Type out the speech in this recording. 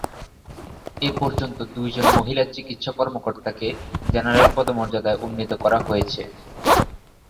এ পর্যন্ত দুই জন মহিলা চিকিৎসা কর্মকর্তাকে জেনারেল পদমর্যাদায় উন্নীত করা হয়েছে।